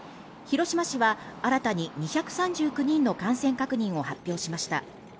広島市は新たに２３９人の感染確認を発表しました